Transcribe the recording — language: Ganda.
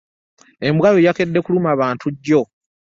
Embwa yo yakedde kuluma bantu jjo.